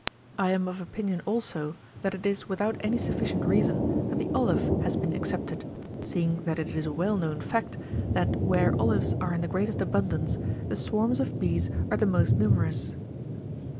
I am of opinion, also, that it is without any sufficient reason that the olive has been excepted, seeing that it is a well known fact, that where olives are in the greatest abundance, the swarms of bees are the most nu merous.